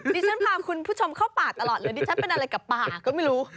ดิฉันพาคุณผู้ชมเข้าป่าตลอดเลยดิฉันเป็นอะไรกับป่าก็ไม่รู้